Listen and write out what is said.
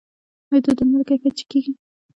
آیا د درملو کیفیت چک کیږي؟